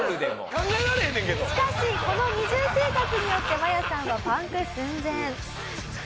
しかしこの二重生活によってマヤさんはパンク寸前。